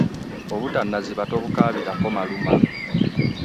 Obutannaziba tobukaabirako maluma.